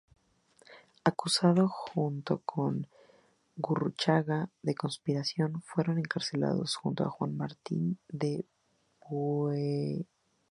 Acusado junto con Gurruchaga de conspiración, fueron encarcelados junto a Juan Martín de Pueyrredón.